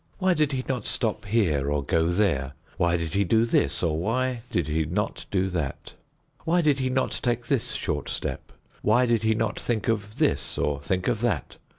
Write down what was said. Why did he not stop here, or go there; why did he do this or why did he not do that? Why did he not take this short step? Why did he not think of this or think of that?